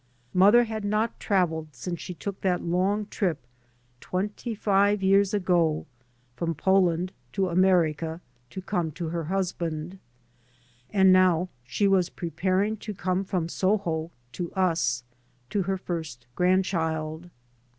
Mother had not travelled since she took that long trip, twenty five years ago, from Poland to America, to come to her husband. And now she was preparing to come from Soho — to us, to her first grandchild.